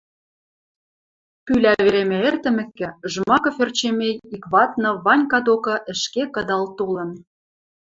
Пӱлӓ веремӓ эртӹмӹкӹ, Жмаков Ӧрчемей ик вадны Ванька докы ӹшке кыдал толын.